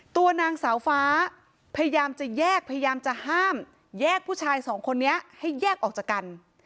ตัวนางสาวฟ้าพยายามจะแยกพยายามจะห้ามแยกผู้ชายสองคนนี้ให้แยกออกจากกัน